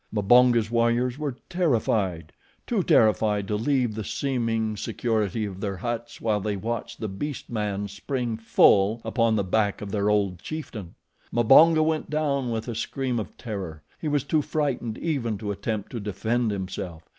Mbonga's warriors were terrified too terrified to leave the seeming security of their huts while they watched the beast man spring full upon the back of their old chieftain. Mbonga went down with a scream of terror. He was too frightened even to attempt to defend himself.